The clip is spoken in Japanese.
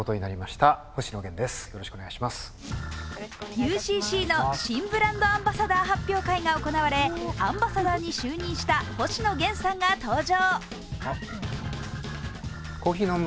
ＵＣＣの新ブランドアンバサダーの発表会が行われアンバサダーに就任した星野源さんが登場。